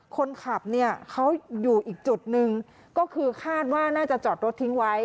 คนขับเนี่ยเขาอยู่อีกจุดหนึ่งก็คือคาดว่าน่าจะจอดรถทิ้งไว้